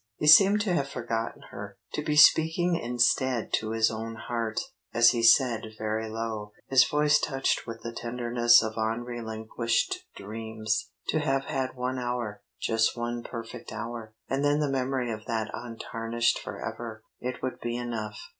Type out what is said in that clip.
He seemed to have forgotten her, to be speaking instead to his own heart, as he said, very low, his voice touched with the tenderness of unrelinquished dreams: "To have had one hour just one perfect hour, and then the memory of that untarnished forever it would be enough."